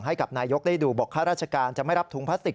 ให้กับนายกได้ดูบอกข้าราชการจะไม่รับถุงพลาสติก